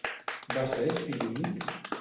Va ser fill únic?